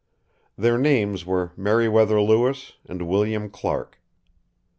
Their names were Meriwether Lewis and William Clark.